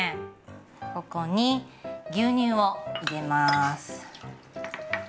ここに牛乳を入れます。